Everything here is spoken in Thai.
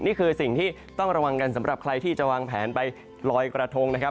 นี่คือสิ่งที่ต้องระวังกันสำหรับใครที่จะวางแผนไปลอยกระทงนะครับ